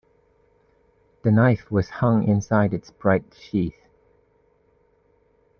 The knife was hung inside its bright sheath.